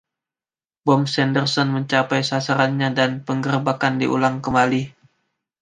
Bom Sanderson mencapai sasarannya dan penggerebekan diulang kembali.